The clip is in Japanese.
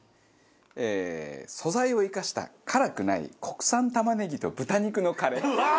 「素材を生かした辛くない国産玉ねぎと豚肉のカレー」うわー！